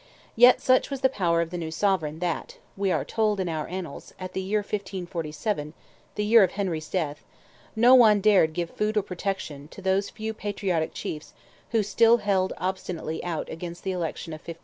Yet such was the power of the new Sovereign that, we are told in our Annals, at the year 1547—the year of Henry's death—"no one dared give food or protection" to those few patriotic chiefs who still held obstinately out against the election of 1541.